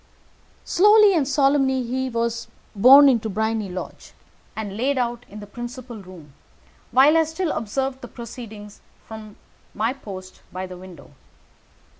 Slowly and solemnly he was borne into Briony Lodge, and laid out in the principal room, while I still observed the proceedings from my post by the window.